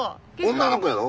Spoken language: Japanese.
女の子やろ？